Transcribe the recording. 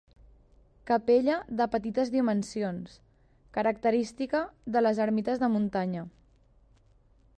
Capella de petites dimensions, característica de les ermites de muntanya.